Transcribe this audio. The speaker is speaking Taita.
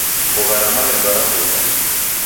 Mbogha ra malemba raboie.